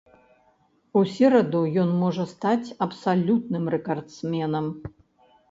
У сераду ён можа стаць абсалютным рэкардсменам.